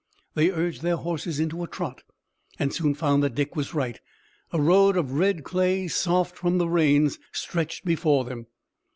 They urged their horses into a trot, and soon found that Dick was right. A road of red clay soft from the rains stretched before them.